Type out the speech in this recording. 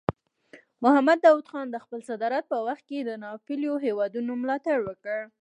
محمد داود خان د خپل صدارت په وخت کې د ناپېیلو هیوادونو ملاتړ وکړ.